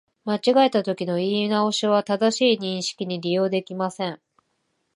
間違えたときの言い直しは、正しい認識に利用できません